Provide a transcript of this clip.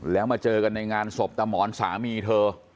แล้วมาเจอกันในงานศพตามหมอนสามีเธอ